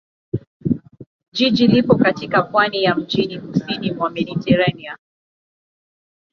Jiji lipo katika pwani ya mjini kusini mwa Mediteranea.